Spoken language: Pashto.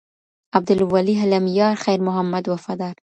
عبدالولي حلميار خېرمحمد وفادار